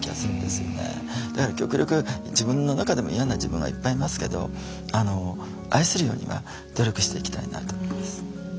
だから極力自分の中でも嫌な自分はいっぱいいますけど愛するようには努力していきたいなと思います。